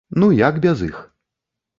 Ну як без іх?